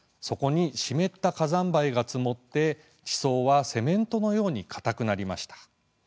そこに湿った火山灰が積もって地層は、セメントのようにかたくなりました。